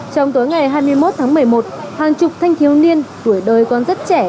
trong tối ngày hai mươi một tháng một mươi một hàng chục thanh thiếu niên tuổi đời còn rất trẻ